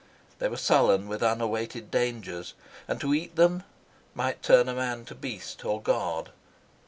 They were sullen with unawaited dangers, and to eat them might turn a man to beast or god.